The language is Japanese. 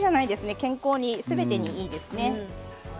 健康すべてにいいですね。